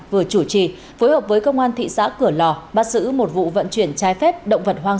vừa chủ trì phối hợp với công an thị xã cửa lò bắt giữ một vụ vận chuyển trái phép động vật hoang